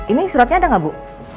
ini suratnya ada nggak bu